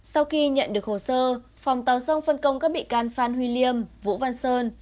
sau khi nhận được hồ sơ phòng tàu sông phân công các bị can phan huy liêm vũ văn sơn